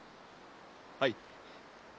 はい。